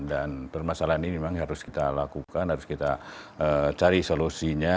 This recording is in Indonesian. dan permasalahan ini memang harus kita lakukan harus kita cari solusinya